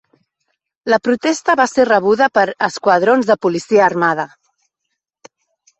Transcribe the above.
La protesta va ser rebuda per esquadrons de policia armada.